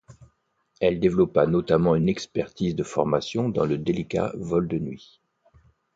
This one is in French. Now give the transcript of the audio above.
Elle développa notamment une expertise de formation dans le délicat vol de nuit.